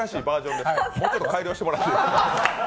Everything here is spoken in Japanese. もうちょっと改良してもらいっていいですか？